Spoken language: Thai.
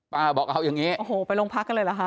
บอกเอาอย่างนี้โอ้โหไปโรงพักกันเลยเหรอคะ